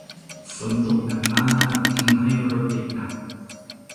ฝนตกหนักมาก ทำให้รถติดหนัก